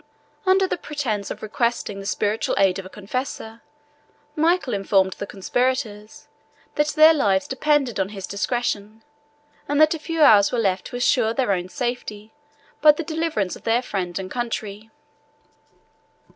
Under the pretence of requesting the spiritual aid of a confessor, Michael informed the conspirators, that their lives depended on his discretion, and that a few hours were left to assure their own safety, by the deliverance of their friend and country.